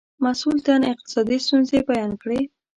مسئول تن اقتصادي ستونزې بیان کړې.